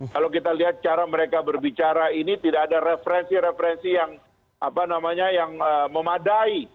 kalau kita lihat cara mereka berbicara ini tidak ada referensi referensi yang memadai